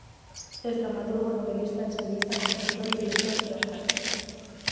Es dramaturgo, novelista, ensayista, compositor y director teatral.